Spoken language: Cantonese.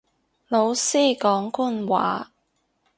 老師講官話